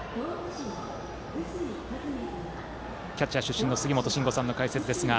キャッチャー出身の杉本真吾さんの解説ですが。